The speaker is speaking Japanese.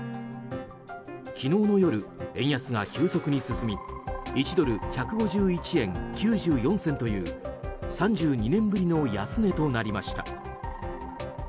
昨日の夜、円安が急速に進み１ドル＝１５１円９４銭という３２年ぶりの安値となりました。